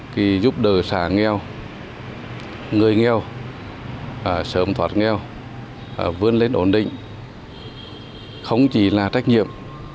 thì giúp đỡ xả nghèo người nghèo sớm thoát nghèo vươn lên ổn định không chỉ là trách nhiệm